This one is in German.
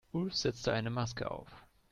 Ulf setzte eine Maske auf.